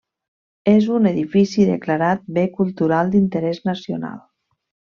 És un edifici declarat bé cultural d'interès nacional.